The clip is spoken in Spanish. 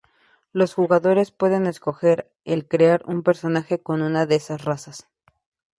Los jugadores pueden escoger el crear un personaje con una de esas razas.